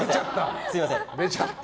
すみません。